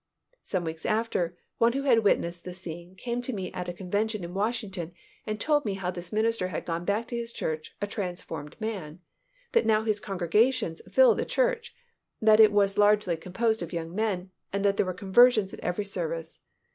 Some weeks after, one who had witnessed the scene came to me at a convention in Washington and told me how this minister had gone back to his church a transformed man, that now his congregations filled the church, that it was largely composed of young men, and that there were conversions at every service.